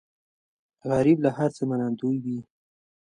غریب له هر څه نه منندوی وي